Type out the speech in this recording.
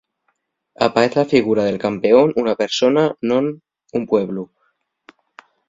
Apaez la figura del campeón, una persona, non un pueblu.